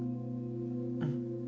うん。